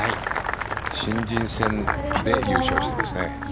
新人戦で優勝しています。